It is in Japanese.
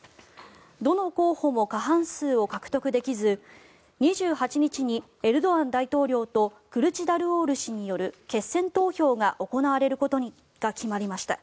どの候補も過半数を獲得できず２８日にエルドアン大統領とクルチダルオール氏による決選投票が行われることが決まりました。